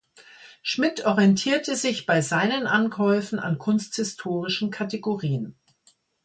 Schmidt orientierte sich bei seinen Ankäufen an kunsthistorischen Kategorien.